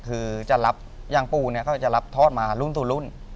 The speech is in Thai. คือจะรับย่างปูเนี่ยก็จะรับทอดมารุ่นสู่รุ่น